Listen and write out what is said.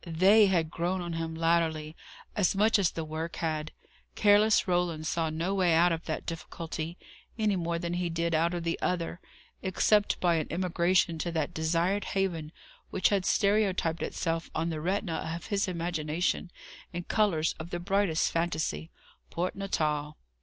They had grown on him latterly, as much as the work had. Careless Roland saw no way out of that difficulty, any more than he did out of the other, except by an emigration to that desired haven which had stereotyped itself on the retina of his imagination in colours of the brightest phantasy Port Natal.